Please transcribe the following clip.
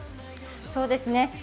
そうですね。